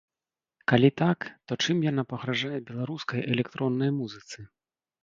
Калі так, то чым яна пагражае беларускай электроннай музыцы?